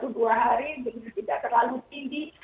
jadi tidak terlalu tinggi